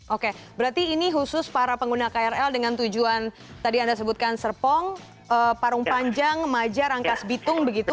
oke berarti ini khusus para pengguna krl dengan tujuan tadi anda sebutkan serpong parung panjang maja rangkas bitung begitu